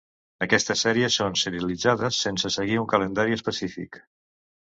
Aquestes sèries són serialitzades sense seguir un calendari específic.